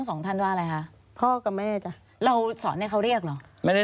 ตั้งแต่เขาจำความได้เขามาลืมตาก็เห็น๒คนแล้วค่ะ